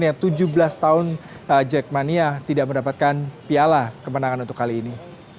yang tujuh belas tahun jackmania tidak mendapatkan piala kemenangan untuk kali ini